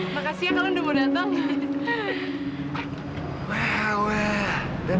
makasih ya kalian udah mau datang